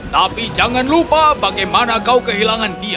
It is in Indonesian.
tapi jangan lupa bagaimana kau kehilangan dia